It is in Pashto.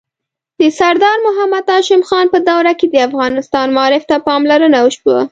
د سردار محمد هاشم خان په دوره کې د افغانستان معارف ته پاملرنه وشوه.